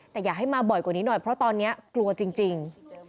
แต่อย่าให้มาบ่อยกว่านี้หน่อยเพราะตอนนี้กลัวจริง